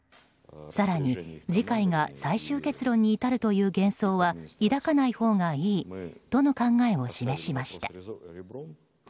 更に次回が最終結論に至るという幻想は抱かないほうがいいとの考えを示しました。